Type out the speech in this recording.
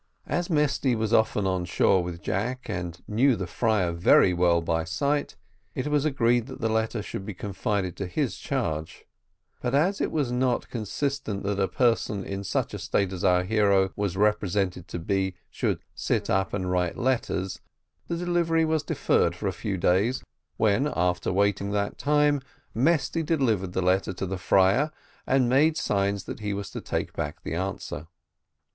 As Mesty was often on shore with Jack, and knew the friar very well by sight, it was agreed that the letter should be confided to his charge; but, as it was not consistent that a person in such a state as our hero was represented to be should sit up and write letters, the delivery was deferred for a few days, when, after waiting that time, Mesty delivered the letter to the friar, and made signs that he was to take back the answer.